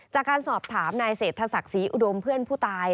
จากการสอบถามนายเศรษฐศักดิ์ศรีอุดมเพื่อนผู้ตาย